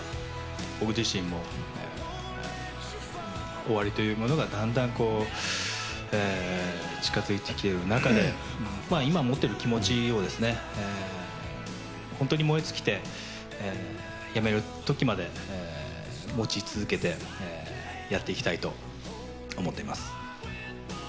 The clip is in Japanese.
僕自身も、終わりというものがだんだん近づいてきている中で、今持っている気持ちを、本当に燃え尽きてやめるときまで、持ち続けてやっていきたいと思っています。